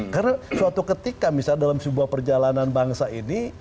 karena suatu ketika misalnya dalam sebuah perjalanan bangsa ini